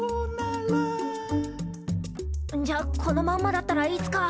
んじゃこのまんまだったらいつか。